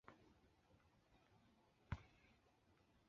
故此格日勒鸟可能是整个白垩纪中最大型的反鸟亚纲成员。